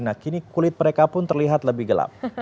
nah kini kulit mereka pun terlihat lebih gelap